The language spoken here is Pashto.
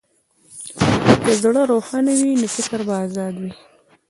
که زړه روښانه وي، نو فکر به ازاد وي.